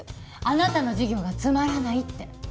あなたの授業がつまらないって。